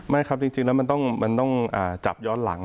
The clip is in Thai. ไม่ครับจริงแล้วมันต้องจับย้อนหลัง